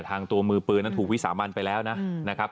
ตัวมือปืนนั้นถูกวิสามันไปแล้วนะครับ